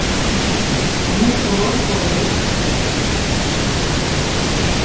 অনেক শহর শহরে পাবলিক পুল সরবরাহ করে।